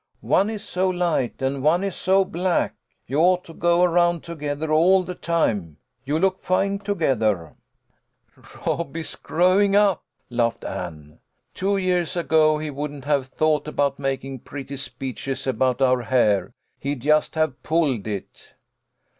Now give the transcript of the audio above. " One is so light and one is so black. You ought to go around together all the time. You look fine together." " Rob is growing up," laughed Anne. " T\vo years ago he wouldn't have thought about making pretty speeches about our hair ; he'd just have pulled it."